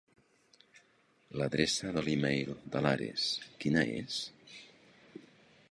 L'adreça de l'e-mail de l'Ares, quina és?